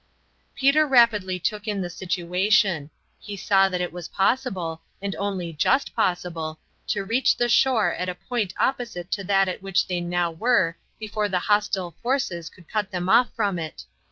Peter rapidly took in the situation. He saw that it was possible, and only just possible, to reach the shore at a point opposite to that at which they now were before the hostile canoes could cut them off from it.